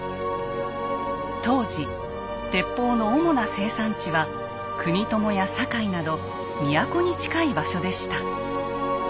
当時鉄砲の主な生産地は国友や堺など都に近い場所でした。